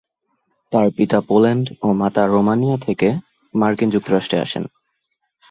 তার পিতা পোল্যান্ড ও মাতা রোমানিয়া থেকে মার্কিন যুক্তরাষ্ট্রে আসেন।